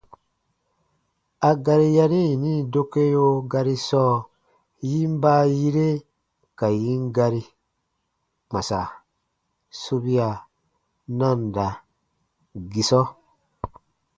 A gari yari yini dokeo gari sɔɔ, yin baayire ka yin gari: kpãsa- sobia- nanda-gisɔ.